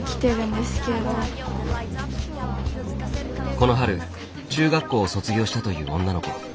この春中学校を卒業したという女の子。